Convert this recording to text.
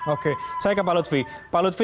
oke saya ke pak lutfi